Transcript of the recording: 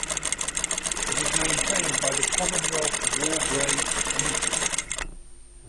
It is maintained by the Commonwealth War Graves Commission.